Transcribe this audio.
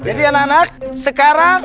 jadi anak anak sekarang